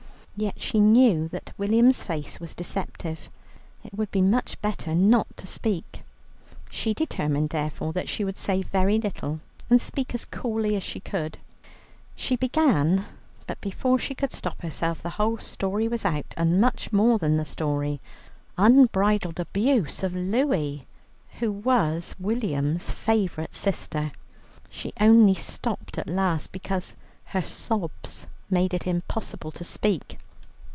Yet she knew that William's face was deceptive; it would be much better not to speak. She determined, therefore, that she would say very little, and speak as coolly as she could. She began, but before she could stop herself, the whole story was out, and much more than the story, unbridled abuse of Louie, who was William's favourite sister. She only stopped at last, because her sobs made it impossible to speak.